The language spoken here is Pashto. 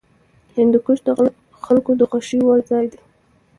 هندوکش د خلکو د خوښې وړ ځای دی.